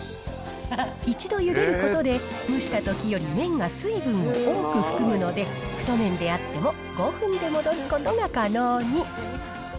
一度ゆでることで、蒸したときより麺が水分を多く含むので、太麺であっても５分で戻すことが可能に。